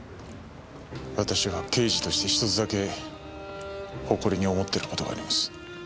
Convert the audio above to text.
私は刑事として１つだけ誇りに思ってる事があります。